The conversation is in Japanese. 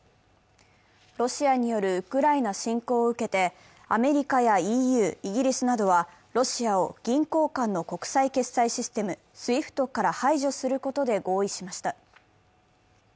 ロシアによるウクライナ侵攻を受けてアメリカやＥＵ、イギリスなどはロシアを銀行間の国際決済システム、ＳＷＩＦＴから排除することで合意しました。